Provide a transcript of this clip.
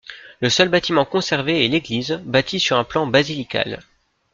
Le seul bâtiment conservé est l’église, bâtie sur un plan basilical.